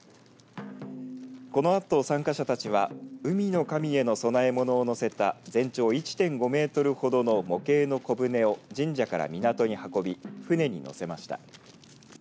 このあと、参加者たちは海の神への供え物をのせた全長１．５メートルほどの模型の小舟を神社から港に運び船にのせました。